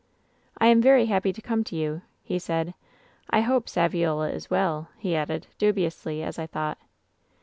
" 'I am very happy to come to you,' he said. 'I hope Saviola is well,' he added — dubiously, as I thought.